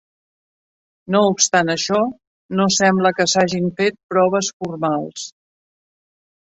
No obstant això, no sembla que s'hagin fet proves formals.